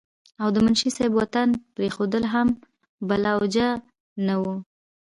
او د منشي صېب وطن پريښودل هم بلاوجه نه وو